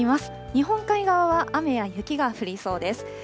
日本海側は雨や雪が降りそうです。